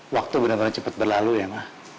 waktu bener bener cepet berlalu ya ma